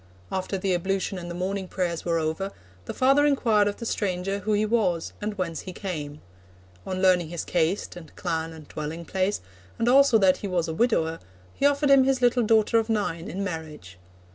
After the ablution and the morning prayers were over, the father inquired of the stranger who he was and whence he came. On learning his caste, and clan, and dwelling place, and also that he was a widower, he offered him his little daughter of nine in marriage.